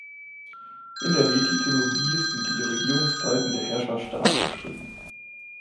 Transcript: In der Hethitologie sind die Regierungszeiten der Herrscher stark umstritten.